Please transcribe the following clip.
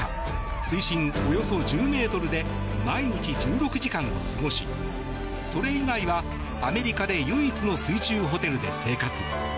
水深およそ１０ｍで毎日１６時間を過ごしそれ以外は、アメリカで唯一の水中ホテルで生活。